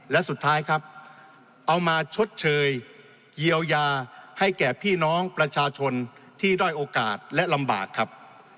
และสุดท้ายครับเอามาชดเชยเยียวยาให้แก่พี่น้องประชาชนที่ด้อยโอกาสและลำบากครับ